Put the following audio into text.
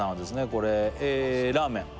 これラーメン